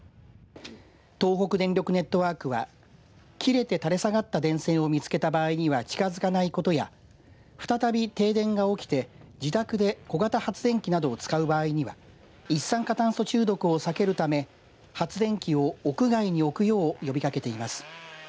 東北電力ネットワークは切れて垂れ下がった電線を見つけた場合には近づかないことや再び、停電が起きて自宅で小型発電機などを使う場合には一酸化炭素中毒を避けるため発電機を屋外に置くよう呼びかけています。